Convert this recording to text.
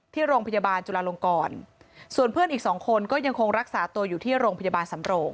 ที่โรงพยาบาลจุลาลงกรส่วนเพื่อนอีกสองคนก็ยังคงรักษาตัวอยู่ที่โรงพยาบาลสำโรง